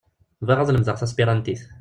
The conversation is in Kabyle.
Bɣiɣ ad lemdeɣ taspirantit.